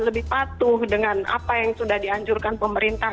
lebih patuh dengan apa yang sudah dianjurkan pemerintah